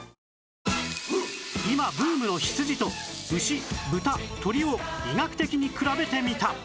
今ブームの羊と牛豚鶏を医学的に比べてみた